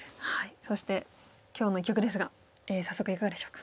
そして今日の一局ですが早速いかがでしょうか？